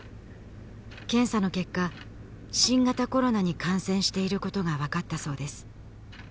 検査の結果新型コロナに感染していることがわかったそうです